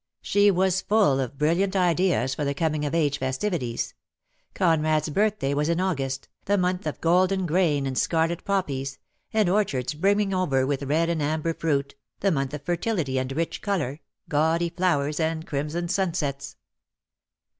She was full of brilliant ideas for the coming of age festivities — Conrad's birthday was in August, the month of golden grain and scarlet poppies, and orchards brimming over with red and amber fruit, the month of fertility and rich colour, gaudy flowers, and crimson sunsets.